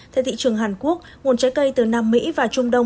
theo thị trường hàn quốc nguồn trái cây từ nam mỹ và trung đông